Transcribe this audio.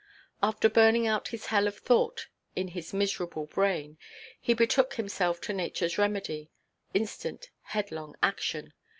After burning out this hell of thought in his miserable brain, he betook himself to natureʼs remedy,—instant, headlong action.